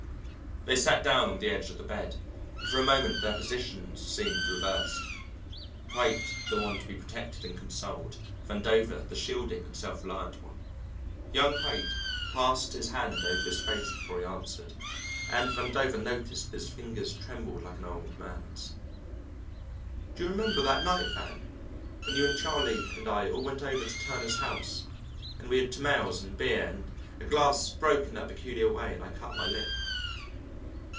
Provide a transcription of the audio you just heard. They sat down on the edge of the bed, and for a moment their positions seemed reversed: Haight the one to be protected and consoled, Vandover the shielding and self reliant one. Young Haight passed his hand over his face before he answered, and Vandover noticed that his fingers trembled like an old man's. "Do you remember that night, Van, when you and Charlie and I all went out to Turner's house, and we had tamales and beer, and a glass broke in that peculiar way, and I cut my lip?"